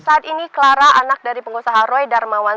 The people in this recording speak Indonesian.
saat ini clara anak dari pengusaha roy darmawan